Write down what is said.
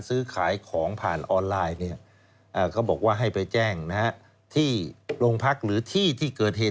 คือสมมุติถ้าเรานั่งโอนอยู่ที่บ้านก็คือไปแจ้งสอนอนที่บ้านเรา